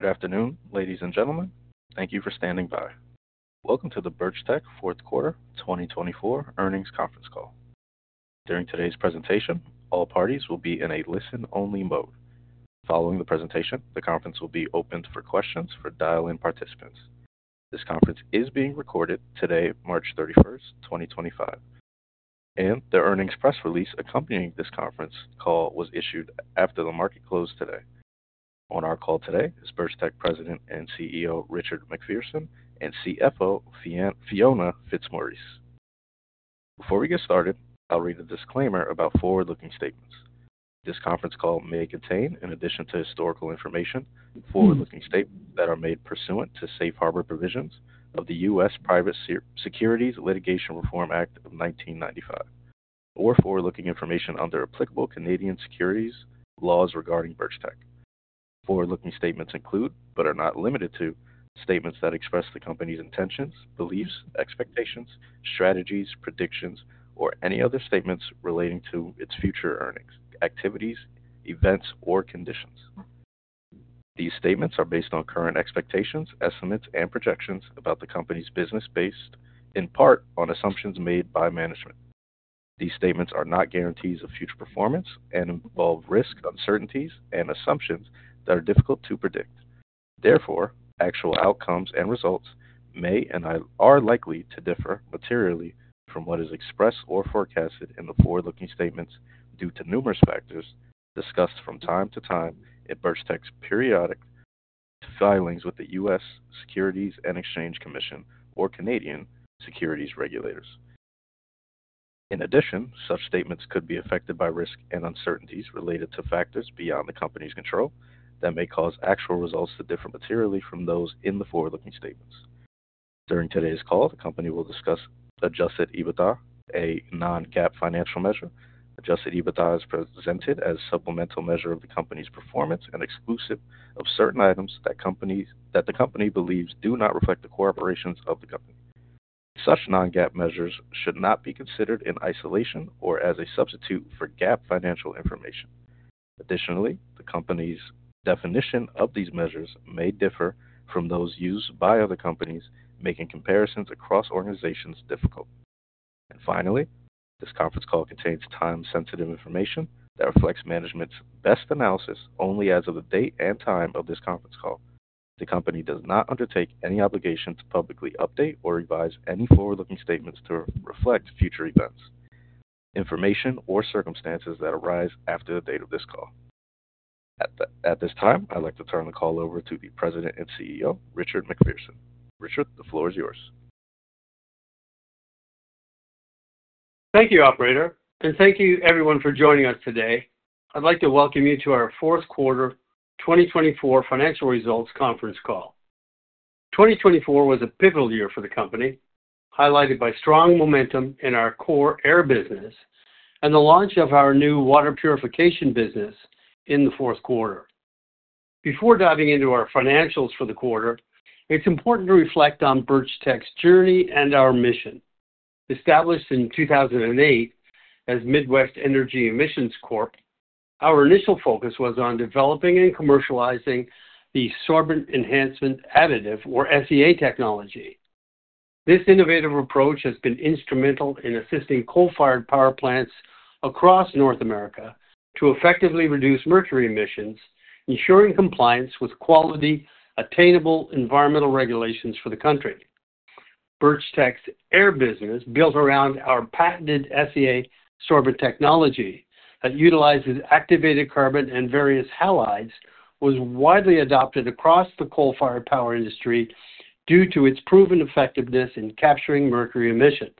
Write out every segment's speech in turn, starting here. Good afternoon, ladies and gentlemen. Thank you for standing by. Welcome to the Birchtech Fourth Quarter 2024 Earnings Conference Call. During today's presentation, all parties will be in a listen-only mode. Following the presentation, the conference will be open for questions for dial-in participants. This conference is being recorded today, March 31, 2025. The earnings press release accompanying this conference call was issued after the market closed today. On our call today is Birchtech President and CEO Richard MacPherson and CFO Fiona Fitzmaurice. Before we get started, I'll read a disclaimer about forward-looking statements. This conference call may contain, in addition to historical information, forward-looking statements that are made pursuant to safe harbor provisions of the U.S. Private Securities Litigation Reform Act of 1995, or forward-looking information under applicable Canadian securities laws regarding Birchtech. Forward-looking statements include, but are not limited to, statements that express the company's intentions, beliefs, expectations, strategies, predictions, or any other statements relating to its future earnings, activities, events, or conditions. These statements are based on current expectations, estimates, and projections about the company's business based, in part, on assumptions made by management. These statements are not guarantees of future performance and involve risk, uncertainties, and assumptions that are difficult to predict. Therefore, actual outcomes and results may and are likely to differ materially from what is expressed or forecasted in the forward-looking statements due to numerous factors discussed from time to time in Birchtech's periodic filings with the U.S. Securities and Exchange Commission or Canadian securities regulators. In addition, such statements could be affected by risk and uncertainties related to factors beyond the company's control that may cause actual results to differ materially from those in the forward-looking statements. During today's call, the company will discuss adjusted EBITDA, a non-GAAP financial measure. Adjusted EBITDA is presented as a supplemental measure of the company's performance and exclusive of certain items that the company believes do not reflect the core operations of the company. Such non-GAAP measures should not be considered in isolation or as a substitute for GAAP financial information. Additionally, the company's definition of these measures may differ from those used by other companies, making comparisons across organizations difficult. This conference call contains time-sensitive information that reflects management's best analysis only as of the date and time of this conference call. The company does not undertake any obligation to publicly update or revise any forward-looking statements to reflect future events, information, or circumstances that arise after the date of this call. At this time, I'd like to turn the call over to the President and CEO, Richard MacPherson. Richard, the floor is yours. Thank you, Operator, and thank you, everyone, for joining us today. I'd like to welcome you to our Fourth Quarter 2024 financial results conference call. 2024 was a pivotal year for the company, highlighted by strong momentum in our core air business and the launch of our new water purification business in the fourth quarter. Before diving into our financials for the quarter, it's important to reflect on Birchtech's journey and our mission. Established in 2008 as Midwest Energy Emissions Corp, our initial focus was on developing and commercializing the Sorbent Enhancement Additive, or SEA, technology. This innovative approach has been instrumental in assisting coal-fired power plants across North America to effectively reduce mercury emissions, ensuring compliance with quality attainable environmental regulations for the country. Birchtech's air business, built around our patented SEA sorbent technology that utilizes activated carbon and various halides, was widely adopted across the coal-fired power industry due to its proven effectiveness in capturing mercury emissions.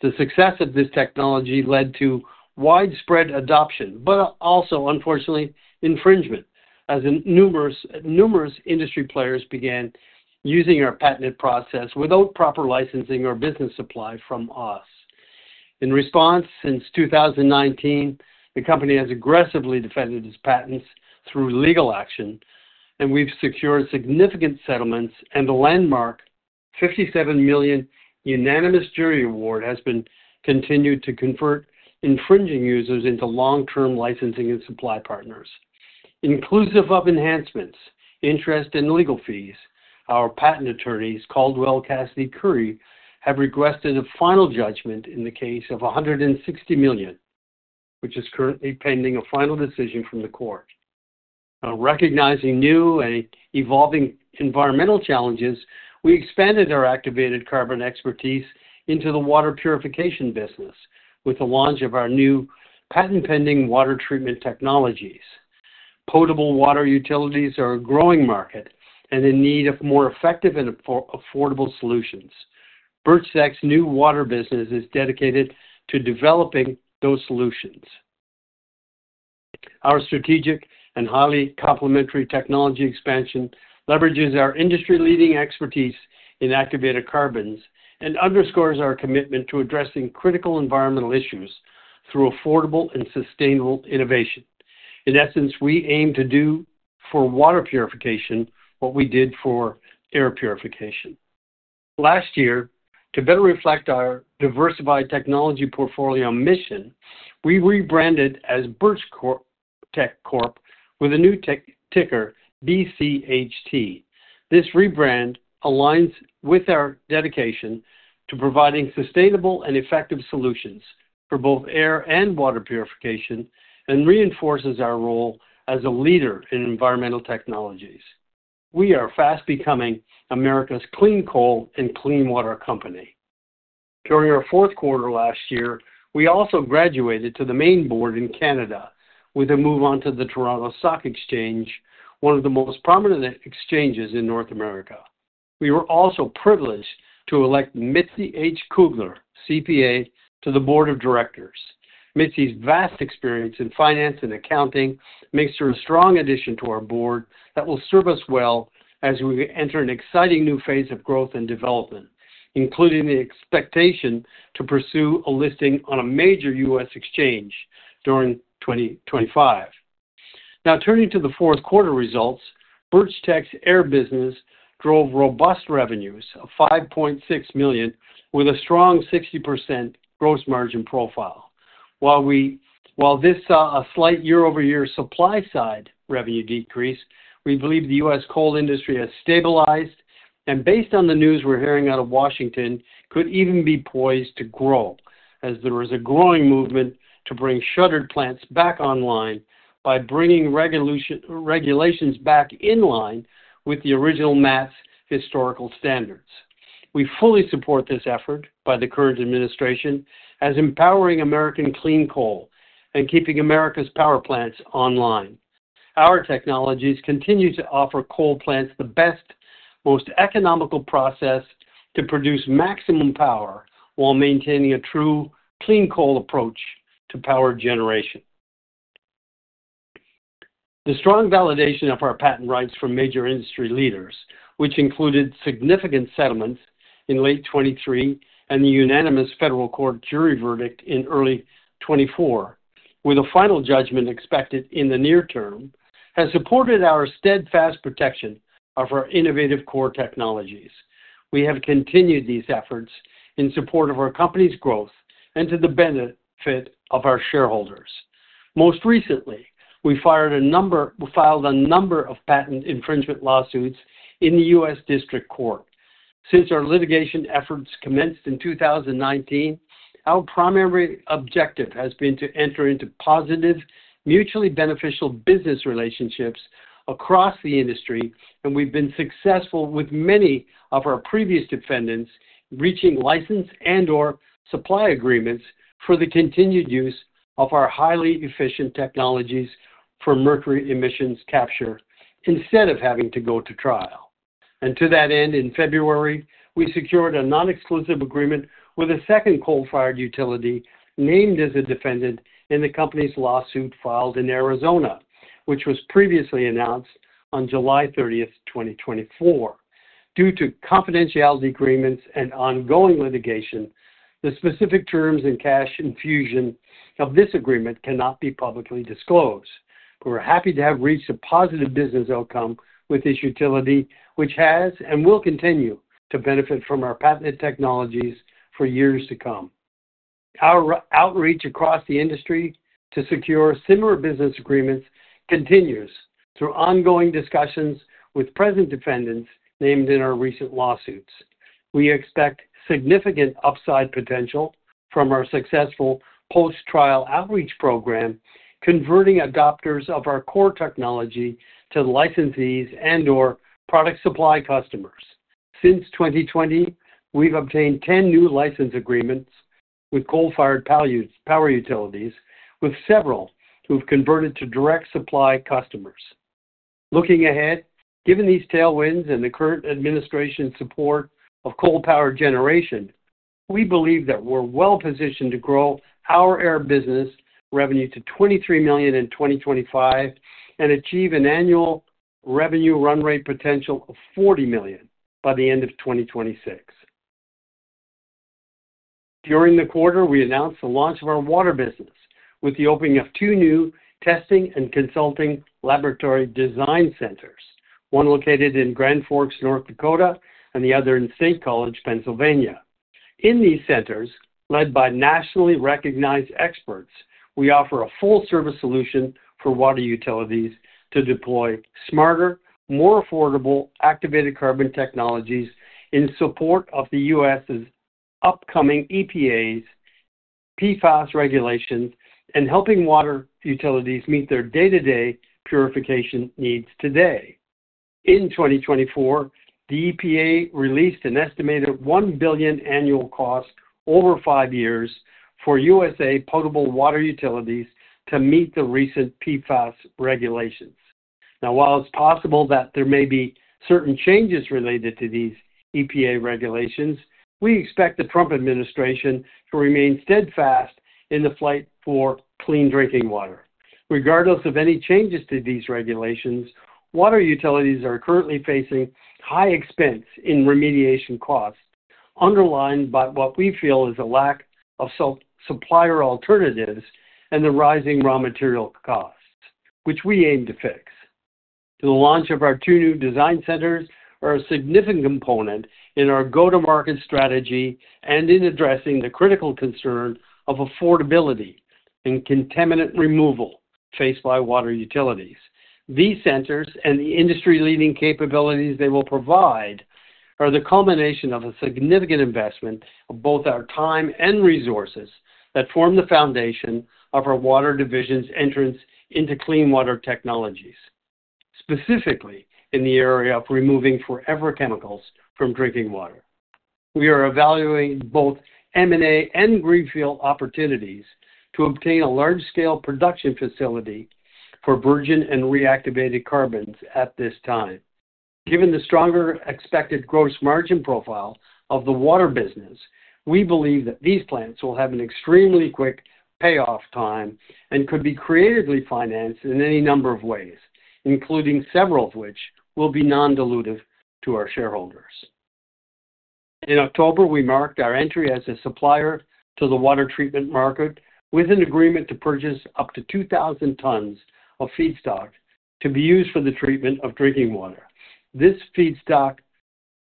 The success of this technology led to widespread adoption, but also, unfortunately, infringement, as numerous industry players began using our patented process without proper licensing or business supply from us. In response, since 2019, the company has aggressively defended its patents through legal action, and we've secured significant settlements and the landmark $57 million unanimous jury award has been continued to convert infringing users into long-term licensing and supply partners. Inclusive of enhancements, interest, and legal fees, our patent attorneys, Caldwell Cassady & Curry, have requested a final judgment in the case of $160 million, which is currently pending a final decision from the court. Recognizing new and evolving environmental challenges, we expanded our activated carbon expertise into the water purification business with the launch of our new patent-pending water treatment technologies. Potable water utilities are a growing market and in need of more effective and affordable solutions. Birchtech's new water business is dedicated to developing those solutions. Our strategic and highly complementary technology expansion leverages our industry-leading expertise in activated carbons and underscores our commitment to addressing critical environmental issues through affordable and sustainable innovation. In essence, we aim to do for water purification what we did for air purification. Last year, to better reflect our diversified technology portfolio mission, we rebranded as Birchtech with a new ticker, BCHT. This rebrand aligns with our dedication to providing sustainable and effective solutions for both air and water purification and reinforces our role as a leader in environmental technologies. We are fast becoming America's clean coal and clean water company. During our fourth quarter last year, we also graduated to the main board in Canada with a move on to the Toronto Stock Exchange, one of the most prominent exchanges in North America. We were also privileged to elect Mitzi H. Kugler, CPA, to the board of directors. Mitzi's vast experience in finance and accounting makes her a strong addition to our board that will serve us well as we enter an exciting new phase of growth and development, including the expectation to pursue a listing on a major U.S. exchange during 2025. Now, turning to the fourth quarter results, Birchtech's air business drove robust revenues of $5.6 million with a strong 60% gross margin profile. While this saw a slight year-over-year supply-side revenue decrease, we believe the U.S. coal industry has stabilized and, based on the news we're hearing out of Washington, could even be poised to grow as there is a growing movement to bring shuttered plants back online by bringing regulations back in line with the original MATS historical standards. We fully support this effort by the current administration as empowering American clean coal and keeping America's power plants online. Our technologies continue to offer coal plants the best, most economical process to produce maximum power while maintaining a true clean coal approach to power generation. The strong validation of our patent rights from major industry leaders, which included significant settlements in late 2023 and the unanimous federal court jury verdict in early 2024, with a final judgment expected in the near term, has supported our steadfast protection of our innovative core technologies. We have continued these efforts in support of our company's growth and to the benefit of our shareholders. Most recently, we filed a number of patent infringement lawsuits in the U.S. District Court. Since our litigation efforts commenced in 2019, our primary objective has been to enter into positive, mutually beneficial business relationships across the industry, and we've been successful with many of our previous defendants reaching license and/or supply agreements for the continued use of our highly efficient technologies for mercury emissions capture instead of having to go to trial. To that end, in February, we secured a non-exclusive agreement with a second coal-fired utility named as a defendant in the company's lawsuit filed in Arizona, which was previously announced on July 30, 2024. Due to confidentiality agreements and ongoing litigation, the specific terms and cash infusion of this agreement cannot be publicly disclosed. We're happy to have reached a positive business outcome with this utility, which has and will continue to benefit from our patented technologies for years to come. Our outreach across the industry to secure similar business agreements continues through ongoing discussions with present defendants named in our recent lawsuits. We expect significant upside potential from our successful post-trial outreach program, converting adopters of our core technology to licensees and/or product supply customers. Since 2020, we've obtained 10 new license agreements with coal-fired power utilities, with several who've converted to direct supply customers. Looking ahead, given these tailwinds and the current administration's support of coal power generation, we believe that we're well-positioned to grow our air business revenue to $23 million in 2025 and achieve an annual revenue run rate potential of $40 million by the end of 2026. During the quarter, we announced the launch of our water business with the opening of two new testing and consulting laboratory design centers, one located in Grand Forks, North Dakota, and the other in State College, Pennsylvania. In these centers, led by nationally recognized experts, we offer a full-service solution for water utilities to deploy smarter, more affordable activated carbon technologies in support of the U.S.'s upcoming EPA's PFAS regulations and helping water utilities meet their day-to-day purification needs today. In 2024, the EPA released an estimated $1 billion annual cost over five years for U.S. potable water utilities to meet the recent PFAS regulations. Now, while it's possible that there may be certain changes related to these EPA regulations, we expect the Trump administration to remain steadfast in the fight for clean drinking water. Regardless of any changes to these regulations, water utilities are currently facing high expense in remediation costs underlined by what we feel is a lack of supplier alternatives and the rising raw material costs, which we aim to fix. The launch of our two new design centers is a significant component in our go-to-market strategy and in addressing the critical concern of affordability and contaminant removal faced by water utilities. These centers and the industry-leading capabilities they will provide are the culmination of a significant investment of both our time and resources that form the foundation of our water division's entrance into clean water technologies, specifically in the area of removing forever chemicals from drinking water. We are evaluating both M&A and greenfield opportunities to obtain a large-scale production facility for virgin and reactivated carbons at this time. Given the stronger expected gross margin profile of the water business, we believe that these plants will have an extremely quick payoff time and could be creatively financed in any number of ways, including several of which will be non-dilutive to our shareholders. In October, we marked our entry as a supplier to the water treatment market with an agreement to purchase up to 2,000 tons of feedstock to be used for the treatment of drinking water. This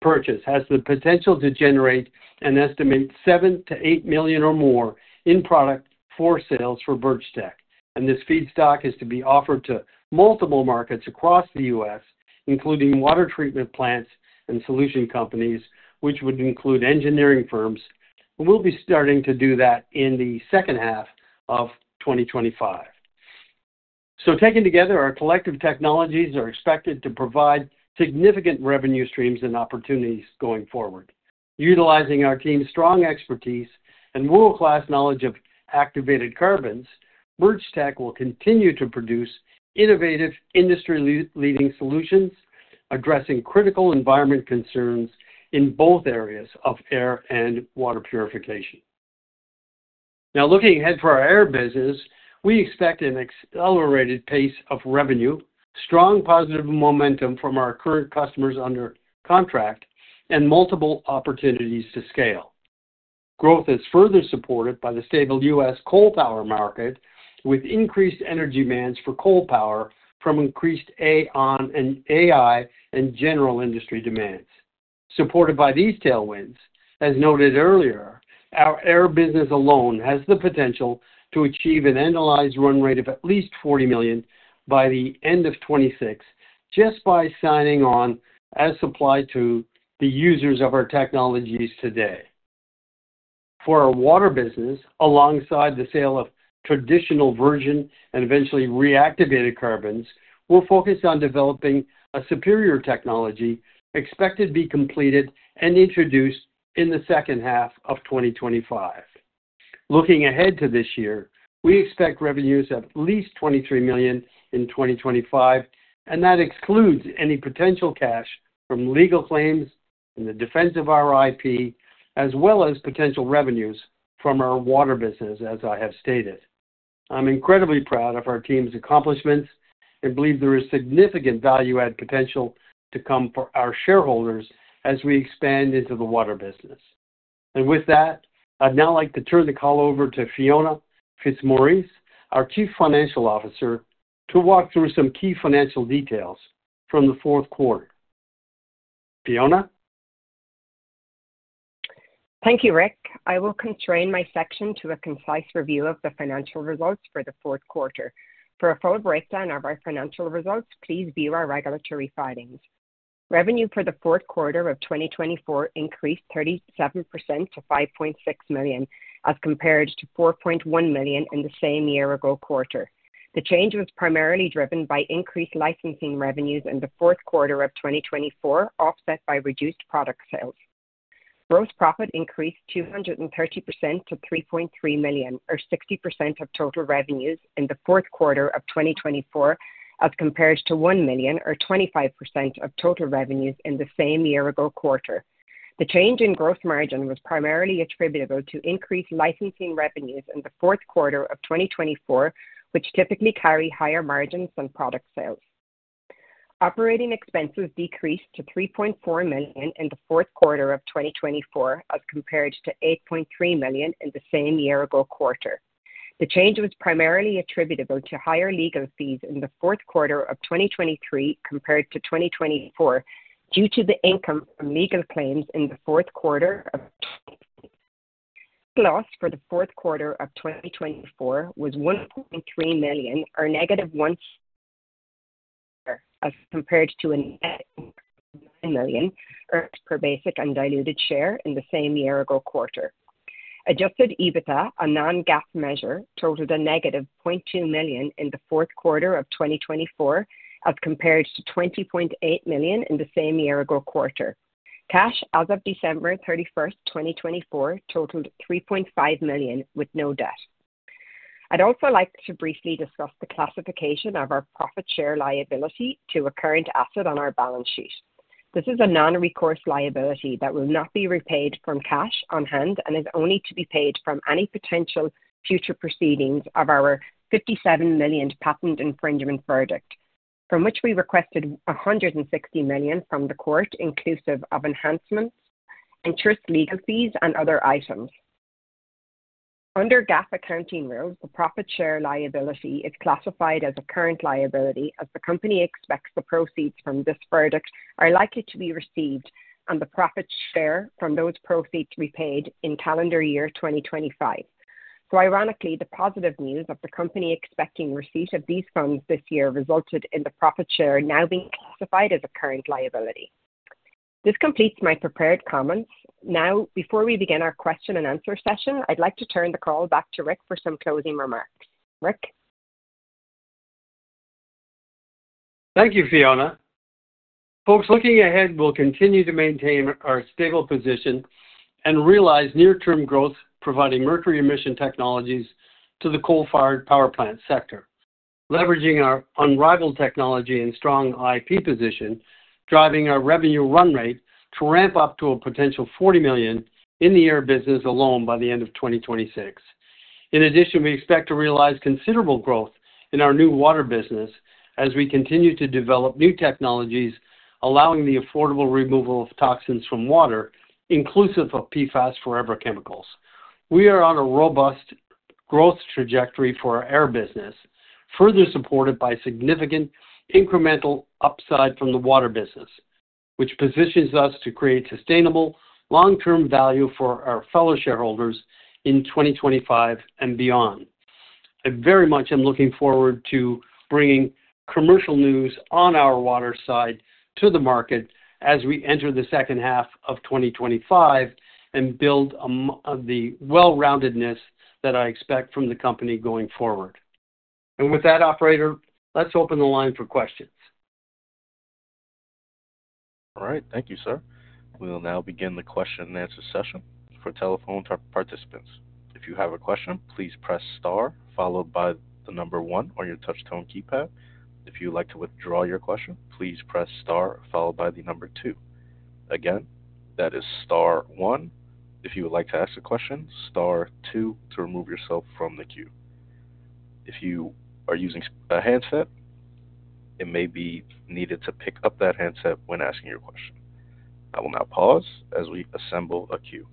feedstock purchase has the potential to generate an estimated $7-$8 million or more in product for sales for Birchtech, and this feedstock is to be offered to multiple markets across the U.S., including water treatment plants and solution companies, which would include engineering firms. We'll be starting to do that in the second half of 2025. Taken together, our collective technologies are expected to provide significant revenue streams and opportunities going forward. Utilizing our team's strong expertise and world-class knowledge of activated carbons, Birchtech will continue to produce innovative industry-leading solutions addressing critical environment concerns in both areas of air and water purification. Now, looking ahead for our air business, we expect an accelerated pace of revenue, strong positive momentum from our current customers under contract, and multiple opportunities to scale. Growth is further supported by the stable U.S. coal power market, with increased energy demands for coal power from increased AI and general industry demands. Supported by these tailwinds, as noted earlier, our air business alone has the potential to achieve an annualized run rate of at least $40 million by the end of 2026 just by signing on as supplied to the users of our technologies today. For our water business, alongside the sale of traditional virgin and eventually reactivated carbons, we're focused on developing a superior technology expected to be completed and introduced in the second half of 2025. Looking ahead to this year, we expect revenues of at least $23 million in 2025, and that excludes any potential cash from legal claims in the defense of our IP, as well as potential revenues from our water business, as I have stated. I'm incredibly proud of our team's accomplishments and believe there is significant value-add potential to come for our shareholders as we expand into the water business. I would now like to turn the call over to Fiona Fitzmaurice, our Chief Financial Officer, to walk through some key financial details from the fourth quarter. Fiona? Thank you, Rick. I will constrain my section to a concise review of the financial results for the fourth quarter. For a full breakdown of our financial results, please view our regulatory filings. Revenue for the fourth quarter of 2024 increased 37% to $5.6 million as compared to $4.1 million in the same year-ago quarter. The change was primarily driven by increased licensing revenues in the fourth quarter of 2024, offset by reduced product sales. Gross profit increased 230% to $3.3 million, or 60% of total revenues in the fourth quarter of 2024, as compared to $1 million, or 25% of total revenues in the same year-ago quarter. The change in gross margin was primarily attributable to increased licensing revenues in the fourth quarter of 2024, which typically carry higher margins than product sales. Operating expenses decreased to $3.4 million in the fourth quarter of 2024, as compared to $8.3 million in the same year-ago quarter. The change was primarily attributable to higher legal fees in the fourth quarter of 2023 compared to 2024, due to the income from legal claims in the fourth quarter of 2023. Loss for the fourth quarter of 2024 was $1.3 million, or negative $1.4 million, as compared to a net income of $9 million earned per basic undiluted share in the same year-ago quarter. Adjusted EBITDA, a non-GAAP measure, totaled a negative $0.2 million in the fourth quarter of 2024, as compared to $20.8 million in the same year-ago quarter. Cash as of December 31, 2024, totaled $3.5 million with no debt. I'd also like to briefly discuss the classification of our profit share liability to a current asset on our balance sheet. This is a non-recourse liability that will not be repaid from cash on hand and is only to be paid from any potential future proceedings of our $57 million patent infringement verdict, from which we requested $160 million from the court, inclusive of enhancements, interest, legal fees, and other items. Under GAAP accounting rules, the profit share liability is classified as a current liability, as the company expects the proceeds from this verdict are likely to be received and the profit share from those proceeds repaid in calendar year 2025. Ironically, the positive news of the company expecting receipt of these funds this year resulted in the profit share now being classified as a current liability. This completes my prepared comments. Now, before we begin our question and answer session, I'd like to turn the call back to Rick for some closing remarks. Rick? Thank you, Fiona. Folks, looking ahead, we'll continue to maintain our stable position and realize near-term growth, providing mercury emission technologies to the coal-fired power plant sector, leveraging our unrivaled technology and strong IP position, driving our revenue run rate to ramp up to a potential $40 million in the air business alone by the end of 2026. In addition, we expect to realize considerable growth in our new water business as we continue to develop new technologies, allowing the affordable removal of toxins from water, inclusive of PFAS forever chemicals. We are on a robust growth trajectory for our air business, further supported by significant incremental upside from the water business, which positions us to create sustainable long-term value for our fellow shareholders in 2025 and beyond. I very much am looking forward to bringing commercial news on our water side to the market as we enter the second half of 2025 and build on the well-roundedness that I expect from the company going forward. With that, operator, let's open the line for questions. All right. Thank you, sir. We'll now begin the question-and-answer session for telephone participants. If you have a question, please press star, followed by the number one on your touch-tone keypad. If you'd like to withdraw your question, please press star, followed by the number two. Again, that is star one. If you would like to ask a question, star two to remove yourself from the queue. If you are using a handset, it may be needed to pick up that handset when asking your question. I will now pause as we assemble a queue.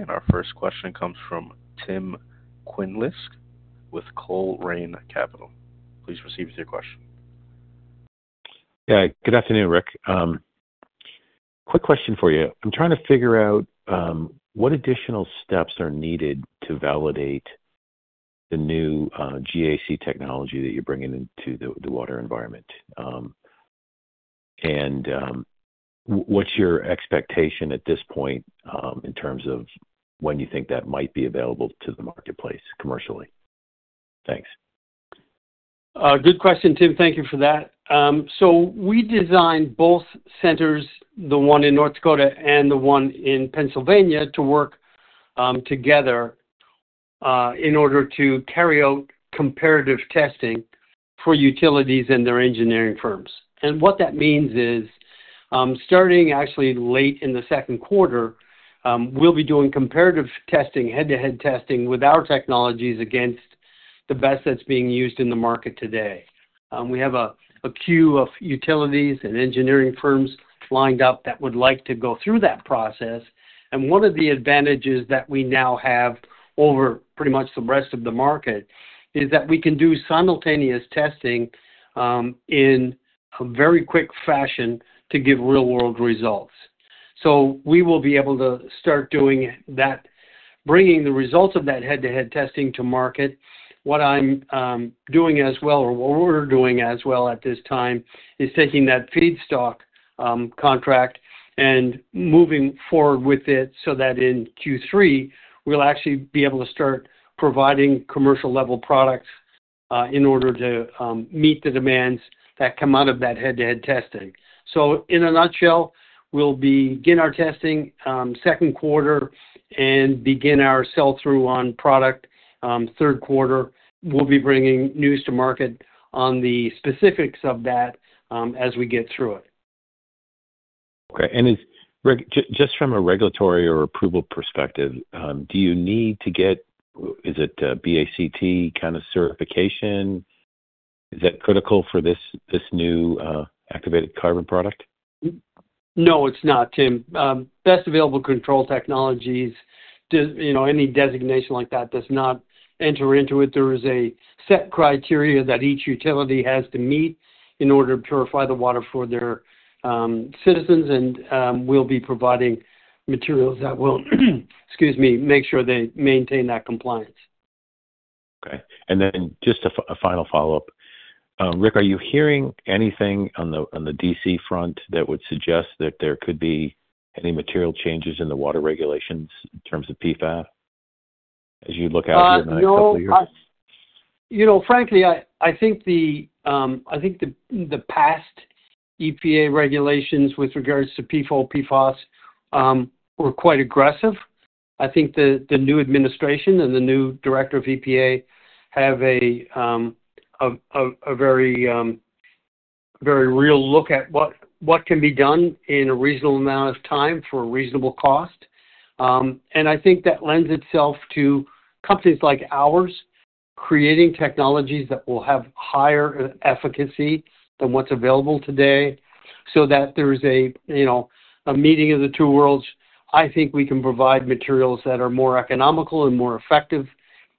Okay. Our first question comes from Tim Quinlisk with Colrain Capital. Please proceed with your question. Yeah. Good afternoon, Rick. Quick question for you. I'm trying to figure out what additional steps are needed to validate the new GAC technology that you're bringing into the water environment. What's your expectation at this point in terms of when you think that might be available to the marketplace commercially? Thanks. Good question, Tim. Thank you for that. We designed both centers, the one in North Dakota and the one in Pennsylvania, to work together in order to carry out comparative testing for utilities and their engineering firms. What that means is, starting actually late in the second quarter, we'll be doing comparative testing, head-to-head testing with our technologies against the best that's being used in the market today. We have a queue of utilities and engineering firms lined up that would like to go through that process. One of the advantages that we now have over pretty much the rest of the market is that we can do simultaneous testing in a very quick fashion to give real-world results. We will be able to start doing that, bringing the results of that head-to-head testing to market. What I'm doing as well, or what we're doing as well at this time, is taking that feedstock contract and moving forward with it so that in Q3, we'll actually be able to start providing commercial-level products in order to meet the demands that come out of that head-to-head testing. In a nutshell, we'll begin our testing second quarter and begin our sell-through on product third quarter. We'll be bringing news to market on the specifics of that as we get through it. Okay. Just from a regulatory or approval perspective, do you need to get—is it BACT kind of certification? Is that critical for this new activated carbon product? No, it's not, Tim. Best Available Control Technologies, any designation like that, does not enter into it. There is a set criteria that each utility has to meet in order to purify the water for their citizens, and we'll be providing materials that will, excuse me, make sure they maintain that compliance. Okay. Just a final follow-up. Rick, are you hearing anything on the D.C. front that would suggest that there could be any material changes in the water regulations in terms of PFAS as you look out here in the next couple of years? Frankly, I think the past EPA regulations with regards to PFOS, PFAS were quite aggressive. I think the new administration and the new director of EPA have a very real look at what can be done in a reasonable amount of time for a reasonable cost. I think that lends itself to companies like ours creating technologies that will have higher efficacy than what's available today so that there is a meeting of the two worlds. I think we can provide materials that are more economical and more effective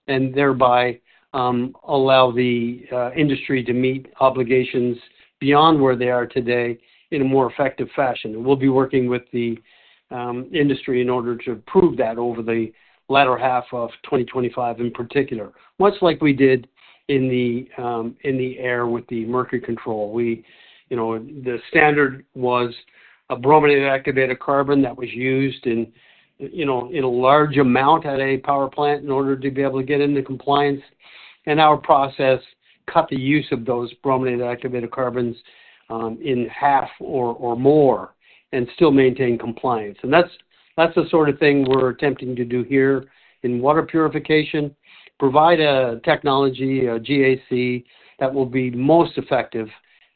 and thereby allow the industry to meet obligations beyond where they are today in a more effective fashion. We'll be working with the industry in order to prove that over the latter half of 2025 in particular, much like we did in the air with the mercury control. The standard was a brominated activated carbon that was used in a large amount at a power plant in order to be able to get into compliance. Our process cut the use of those brominated activated carbons in half or more and still maintain compliance. That's the sort of thing we're attempting to do here in water purification, provide a technology, a GAC that will be most effective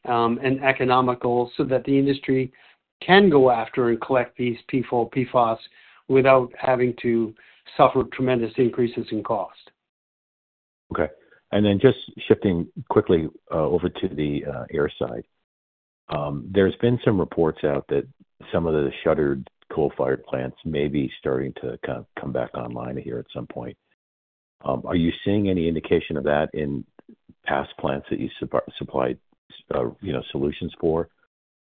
and economical so that the industry can go after and collect these PFOS, PFAS without having to suffer tremendous increases in cost. Okay. Just shifting quickly over to the air side, there's been some reports out that some of the shuttered coal-fired plants may be starting to kind of come back online here at some point. Are you seeing any indication of that in past plants that you supplied solutions for?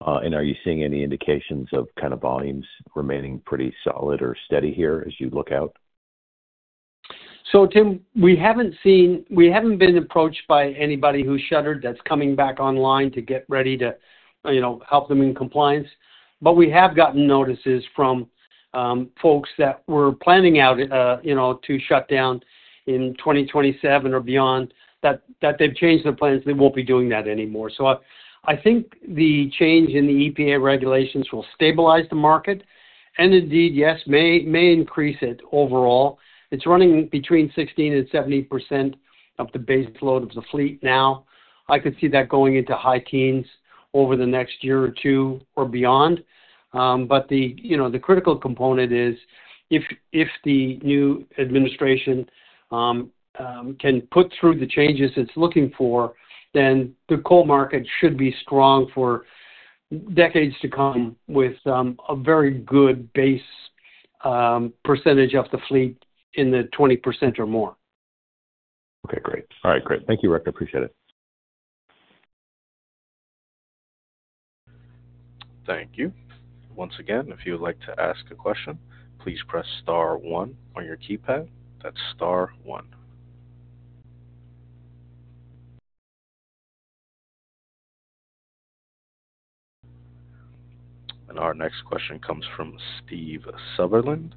Are you seeing any indications of kind of volumes remaining pretty solid or steady here as you look out? Tim, we haven't been approached by anybody who's shuttered that's coming back online to get ready to help them in compliance. We have gotten notices from folks that were planning out to shut down in 2027 or beyond that they've changed their plans. They won't be doing that anymore. I think the change in the EPA regulations will stabilize the market and indeed, yes, may increase it overall. It's running between 16%-70% of the base load of the fleet now. I could see that going into high teens over the next year or two or beyond. The critical component is if the new administration can put through the changes it's looking for, then the coal market should be strong for decades to come with a very good base percentage of the fleet in the 20% or more. Okay. Great. All right. Great. Thank you, Rick. Appreciate it. Thank you. Once again, if you'd like to ask a question, please press star one on your keypad. That's star one. Our next question comes from Steve Sutherland,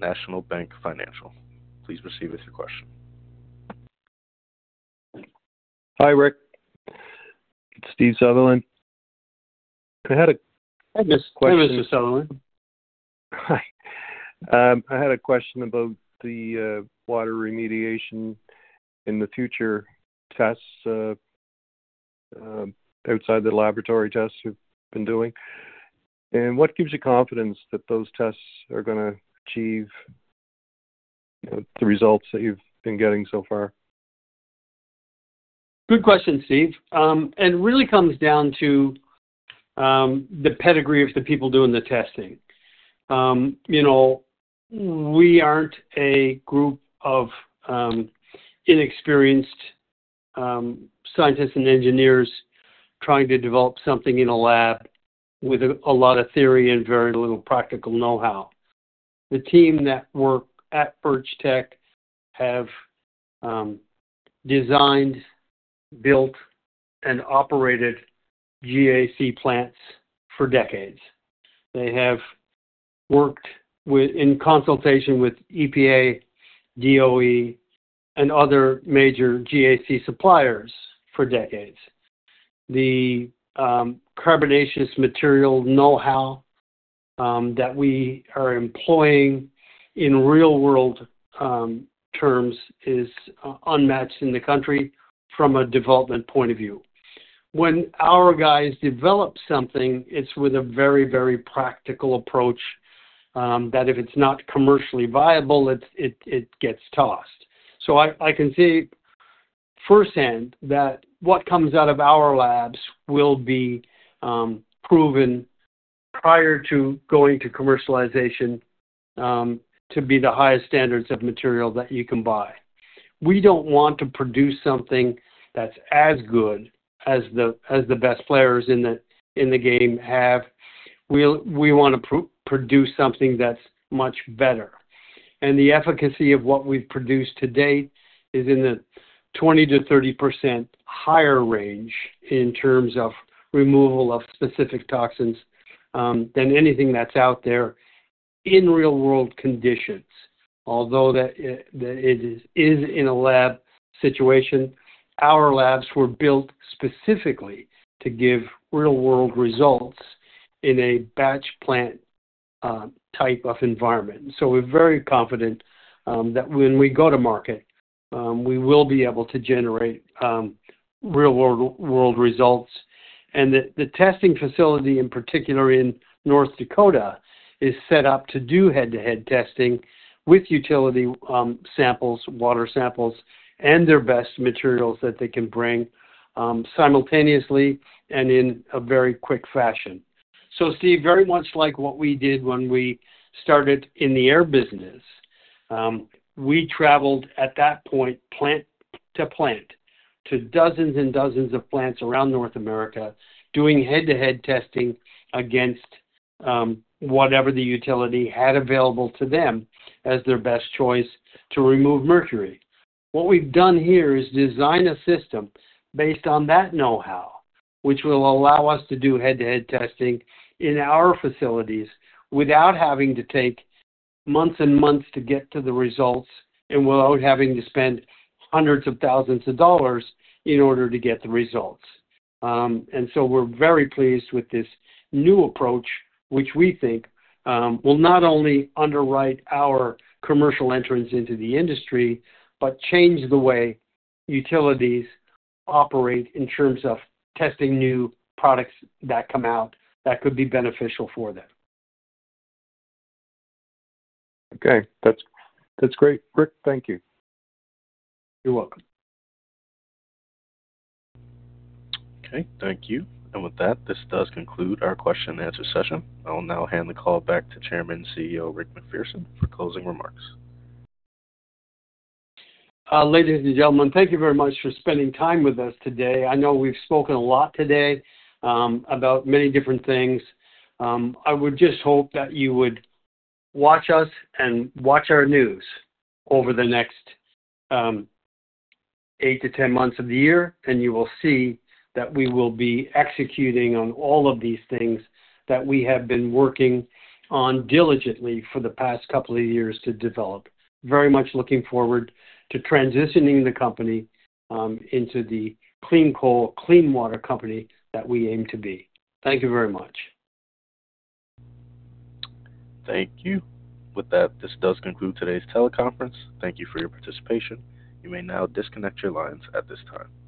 National Bank Financial. Please proceed with your question. Hi, Rick. Steve Sutherland. I had a question. Hey, Mr. Sutherland. Hi. I had a question about the water remediation in the future tests outside the laboratory tests you've been doing. What gives you confidence that those tests are going to achieve the results that you've been getting so far? Good question, Steve. It really comes down to the pedigree of the people doing the testing. We aren't a group of inexperienced scientists and engineers trying to develop something in a lab with a lot of theory and very little practical know-how. The team that work at Birchtech have designed, built, and operated GAC plants for decades. They have worked in consultation with EPA, DOE, and other major GAC suppliers for decades. The carbonatious material know-how that we are employing in real-world terms is unmatched in the country from a development point of view. When our guys develop something, it's with a very, very practical approach that if it's not commercially viable, it gets tossed. I can see firsthand that what comes out of our labs will be proven prior to going to commercialization to be the highest standards of material that you can buy. We don't want to produce something that's as good as the best players in the game have. We want to produce something that's much better. The efficacy of what we've produced to date is in the 20-30% higher range in terms of removal of specific toxins than anything that's out there in real-world conditions. Although it is in a lab situation, our labs were built specifically to give real-world results in a batch plant type of environment. We are very confident that when we go to market, we will be able to generate real-world results. The testing facility in particular in North Dakota is set up to do head-to-head testing with utility samples, water samples, and their best materials that they can bring simultaneously and in a very quick fashion. Steve, very much like what we did when we started in the air business, we traveled at that point plant to plant to dozens and dozens of plants around North America doing head-to-head testing against whatever the utility had available to them as their best choice to remove mercury. What we've done here is design a system based on that know-how, which will allow us to do head-to-head testing in our facilities without having to take months and months to get to the results and without having to spend hundreds of thousands of dollars in order to get the results. We are very pleased with this new approach, which we think will not only underwrite our commercial entrance into the industry but change the way utilities operate in terms of testing new products that come out that could be beneficial for them. Okay. That's great. Rick, thank you. You're welcome. Okay. Thank you. With that, this does conclude our question-and-answer session. I'll now hand the call back to Chairman and CEO Rick MacPherson for closing remarks. Ladies and gentlemen, thank you very much for spending time with us today. I know we've spoken a lot today about many different things. I would just hope that you would watch us and watch our news over the next 8-10 months of the year, and you will see that we will be executing on all of these things that we have been working on diligently for the past couple of years to develop. Very much looking forward to transitioning the company into the clean coal, clean water company that we aim to be. Thank you very much. Thank you. With that, this does conclude today's teleconference. Thank you for your participation. You may now disconnect your lines at this time.